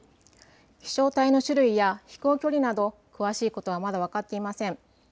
飛しょう体の種類や飛行距離など詳しいことはまだ分かっていません。